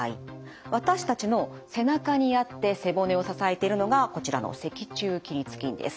私たちの背中にあって背骨を支えているのがこちらの脊柱起立筋です。